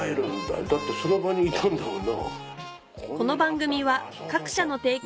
よだってその場にいたんだもんな。